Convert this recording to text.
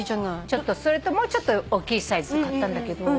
それともうちょっとおっきいサイズ買ったんだけど。